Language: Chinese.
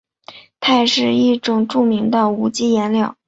它也是一种著名的无机颜料。